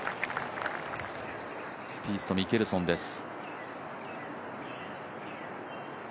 スピースとミケルソンです。